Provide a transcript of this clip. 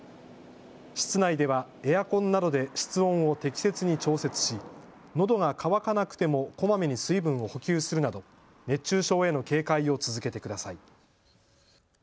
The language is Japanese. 室内ではエアコンなどで室温を適切に調節しのどが渇かなくてもこまめに水分を補給するなど熱中症への警戒を続けてください。